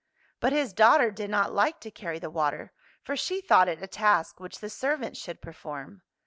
But his daughter did not like to carry the water, for she thought it a task which the servants should perform.